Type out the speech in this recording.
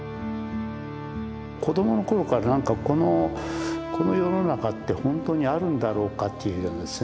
子どもの頃から何かこの世の中って本当にあるんだろうかというようなですね